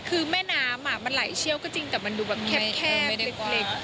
คือแม่น้ำมันไหลเชี่ยวก็จริงแต่มันดูแบบแคบเล็ก